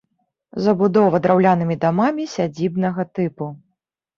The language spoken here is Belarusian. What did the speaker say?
Забудова драўлянымі дамамі сядзібнага тыпу.